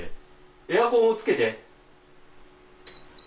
エアコンをつけて。